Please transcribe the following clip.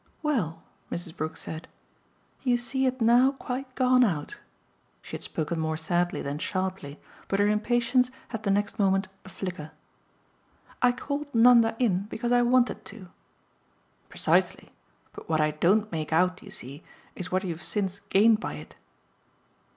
"Well," Mrs. Brook said, "you see it now quite gone out." She had spoken more sadly than sharply, but her impatience had the next moment a flicker. "I called Nanda in because I wanted to." "Precisely; but what I don't make out, you see, is what you've since gained by it."